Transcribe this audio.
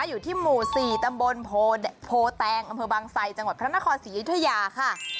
อยู่ที่หมู่๔ตำบลโพแตงอำเภอบางไซจังหวัดพระนครศรีอยุธยาค่ะ